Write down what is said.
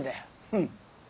うん。